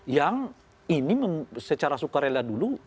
yang ini secara sukarela dulu